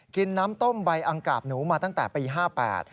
กินน้ำต้มใบอังกาบหนูมาตั้งแต่ปีห้าแปด